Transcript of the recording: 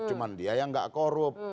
cuma dia yang nggak korup